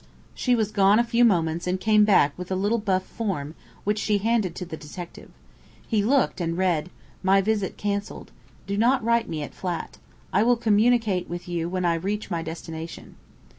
She was gone a few moments and came back with a little buff form, which she handed to the detective. He looked and read: "My visit cancelled. Do not write to me at flat. I will communicate with you when I reach my destination."